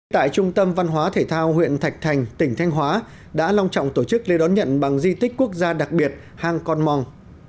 tại trung tâm văn hóa thể thao huyện thạch thành tỉnh thanh hóa đã long trọng tổ chức lễ đón nhận bằng di tích quốc gia đặc biệt hang con mong